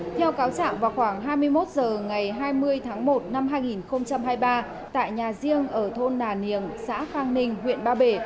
theo cáo trạng vào khoảng hai mươi một h ngày hai mươi tháng một năm hai nghìn hai mươi ba tại nhà riêng ở thôn nà niềng xã khang ninh huyện ba bể